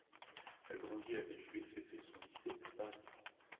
Elle grandit à Villejuif et fait son lycée à Paris.